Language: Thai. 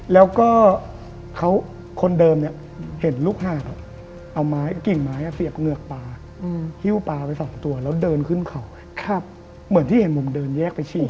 แล้วก็คนเดิมเนี่ยเห็นลูกหาเอาไม้กิ่งไม้เสียบเหงือกปลาหิ้วปลาไปสองตัวแล้วเดินขึ้นเขาเหมือนที่เห็นผมเดินแยกไปฉีด